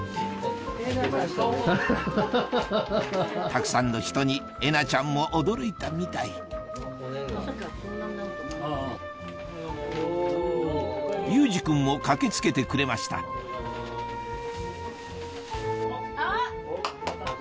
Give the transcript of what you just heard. たくさんの人にえなちゃんも驚いたみたい有志君も駆け付けてくれましたあっ